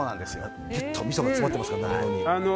ぐっとみそが詰まってますから。